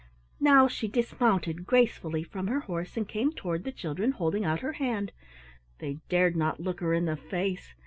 Now she dismounted gracefully from her horse and came toward the children, holding out her hand. They dared not look her in the face.